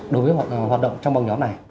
đối với hoạt động trong băng nhóm này